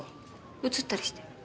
うつったりして。